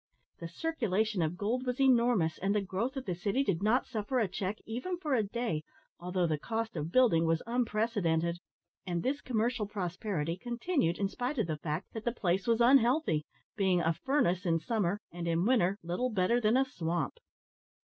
The circulation of gold was enormous, and the growth of the city did not suffer a check even for a day, although the cost of building was unprecedented. And this commercial prosperity continued in spite of the fact that the place was unhealthy being a furnace in summer, and in winter little better than a swamp.